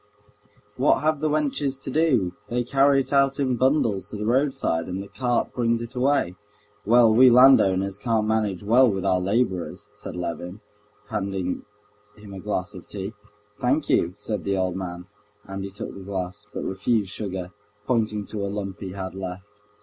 "What have the wenches to do? They carry it out in bundles to the roadside, and the cart brings it away." "Well, we landowners can't manage well with our laborers," said Levin, handing him a glass of tea. "Thank you," said the old man, and he took the glass, but refused sugar, pointing to a lump he had left.